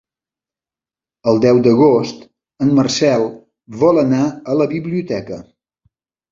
El deu d'agost en Marcel vol anar a la biblioteca.